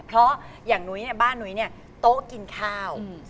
เพราะอย่างน้อยบ้านน้อยโต๊ะกินข้าว